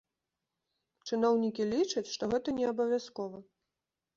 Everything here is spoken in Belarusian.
Чыноўнікі лічаць, што гэта неабавязкова.